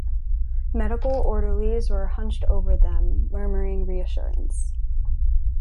Medical orderlies were hunched over them murmuring reassurance.